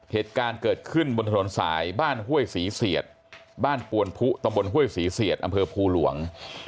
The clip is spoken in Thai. เหตุการณ์เกิดขึ้นบนถนนสายบ้านห้วยศรีเสียดบ้านปวนพุตำบลห้วยศรีเสียดอำเภอภูหลวง